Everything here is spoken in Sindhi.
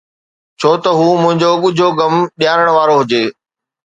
ڇو ته هو منهنجو ڳجهو غم ڏيارڻ وارو هجي؟